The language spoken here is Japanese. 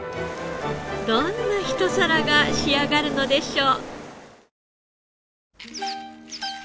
どんなひと皿が仕上がるのでしょう？